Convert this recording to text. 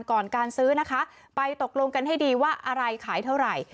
ก่อนการซื้อนะคะไปตกลงกันให้ดีว่าอะไรขายเท่าไหร่